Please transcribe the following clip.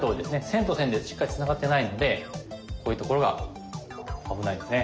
線と線でしっかりつながってないのでこういうところが危ないですね。